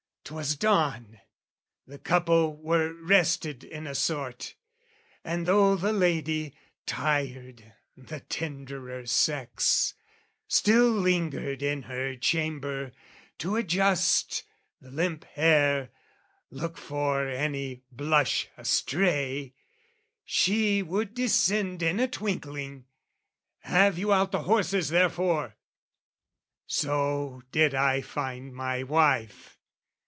'Twas dawn, the couple were rested in a sort, And though the lady, tired, the tenderer sex, Still lingered in her chamber, to adjust The limp hair, look for any blush astray, She would descend in a twinkling, "Have you out "The horses therefore!" So did I find my wife.